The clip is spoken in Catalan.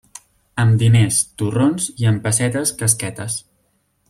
Amb diners, torrons, i amb pessetes, casquetes.